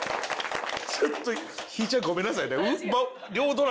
ちょっとひぃちゃんごめんなさいね。